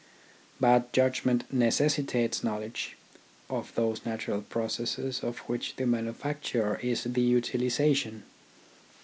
But judgment necessitates knowledge of those natural processes of which the manufacture is the utilisation.